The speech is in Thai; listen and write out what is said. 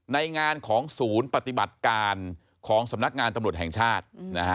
ในงานของศูนย์ปฏิบัติการของสำนักงานตำรวจแห่งชาติ